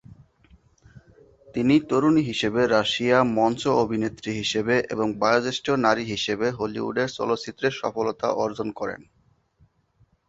তিনি তরুণী হিসেবে রাশিয়া মঞ্চ অভিনেত্রী হিসেবে এবং বয়োজ্যেষ্ঠ নারী হিসেবে হলিউডের চলচ্চিত্রে সফলতা অর্জন করেন।